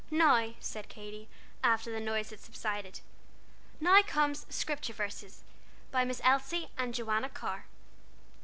"Now," said Katy, after the noise had subsided, "now come 'Scripture Verses,' by Miss Elsie and Joanna Carr.